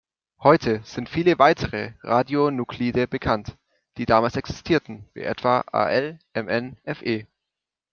Heute sind viele weitere Radionuklide bekannt, die damals existierten, wie etwa Al, Mn, Fe.